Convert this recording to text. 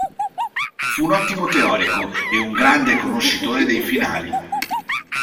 Fu un ottimo teorico e un grande conoscitore dei finali.